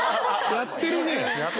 やってるね。